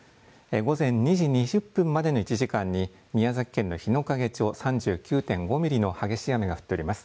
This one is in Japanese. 午前２時２０分までの１時間に宮崎県の日之影町３９．５ミリの激しい雨が降っております。